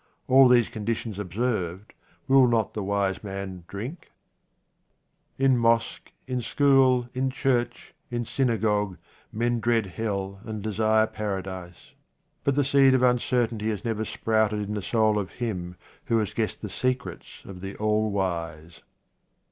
All the conditions observed, will not the wise man drink ? In mosque, in school, in church, in synagogue men dread hell and desire Paradise ; but the seed of uncertainty has never sprouted in the soul of him who has guessed the secrets of the All wise.